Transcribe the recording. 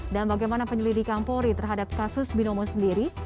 dan bagaimana penyelidikan pori terhadap kasus binomo sendiri